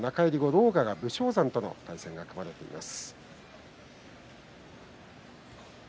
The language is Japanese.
狼雅が武将山との対戦が組まれています。